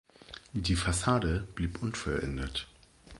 Die Fassade blieb unvollendet.